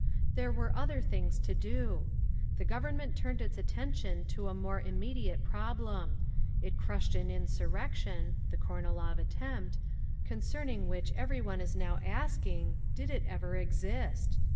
"There were other things to do…. "The Government turned its attention to a more immediate problem. It crushed an insurrection (the Kornilov attempt) concerning which every one is now asking, 'Did it ever exist?"